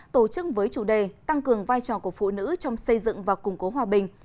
tổ chức với chủ đề tăng cường vai trò của phụ nữ trong xây dựng và củng cố hòa bình